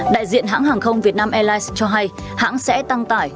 đại diện hãng hàng không việt nam airlines cho hay hãng sẽ tăng tải